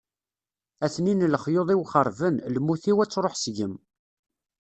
A-ten-in lexyuḍ-iw xeṛben, lmut-iw ad truḥ seg-m.